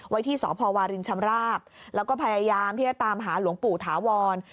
ที่สพวารินชำราบแล้วก็พยายามที่จะตามหาหลวงปู่ถาวร